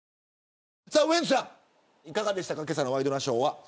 ウエンツさん、いかがでしたかけさのワイドナショー。